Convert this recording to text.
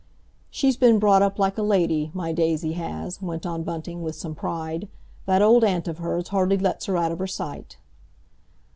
"She's been brought up like a lady, my Daisy has," went on Bunting, with some pride. "That Old Aunt of hers hardly lets her out of her sight."